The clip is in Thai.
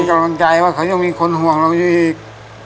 กำลังใจว่าเขายังมีคนห่วงเราอยู่อีก